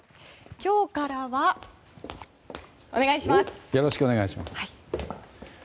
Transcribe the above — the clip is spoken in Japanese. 今日からはお願いします！